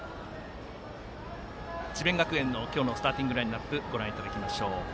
智弁学園の今日のスターティングラインアップご覧いただきます。